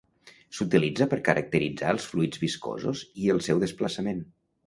S'utilitza per caracteritzar els fluids viscosos i el seu desplaçament.